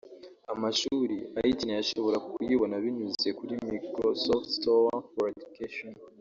Amashuri ayikeneye ashobora kuyibona binyuze kuri Microsoft Store for Education